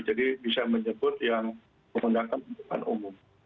jadi bisa menjemput yang menggunakan angketan umum